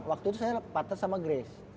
waktu itu saya patah sama grace